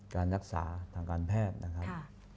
การรักษาทางการแพทย์นะครับ